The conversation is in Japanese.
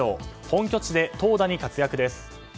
本拠地で投打に活躍です。